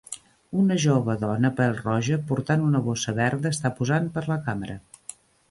Una jove dona pèl-roja portant una bossa verda està posant per a la càmera.